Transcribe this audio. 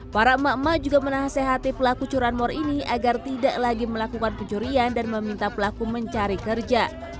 para emak emak juga menasehati pelaku curanmor ini agar tidak lagi melakukan pencurian dan meminta pelaku mencari kerja